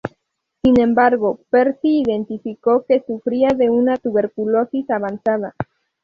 Sin embargo, Percy identificó que sufría de una tuberculosis avanzada.